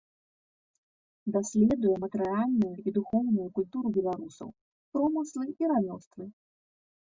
Даследуе матэрыяльную і духоўную культуру беларусаў, промыслы і рамёствы.